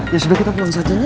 ya sudah kita pulang saja